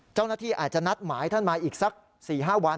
เจ้าหน้าที่อาจจะนัดหมายท่านมาอีกสัก๔๕วัน